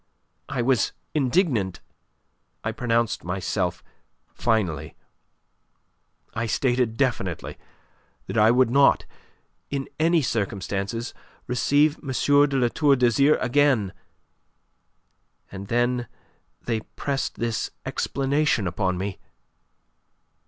I was indignant. I pronounced myself finally. I stated definitely that I would not in any circumstances receive M. de La Tour d'Azyr again! And then they pressed this explanation upon me.